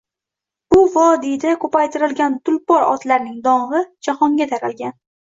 Bu vodiyda ko‘paytirilgan tulpor otlarning dong‘i jahonga taralgan.